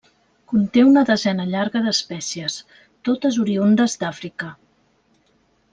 Conté una desena llarga d'espècies, totes oriündes d'Àfrica.